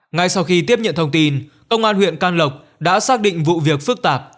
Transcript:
ngay sau khi tiếp nhận thông tin công an huyện can lộc đã xác định vụ việc phức tạp